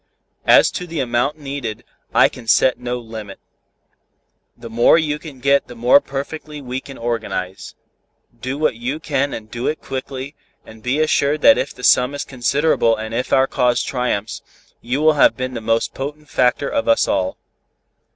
As to the amount needed, I can set no limit. The more you get the more perfectly can we organize. Do what you can and do it quickly, and be assured that if the sum is considerable and if our cause triumphs, you will have been the most potent factor of us all."